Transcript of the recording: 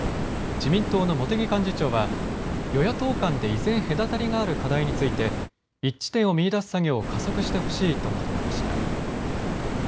自民党の茂木幹事長は与野党間で依然隔たりがある課題について一致点を見いだす作業を加速してほしいと求めました。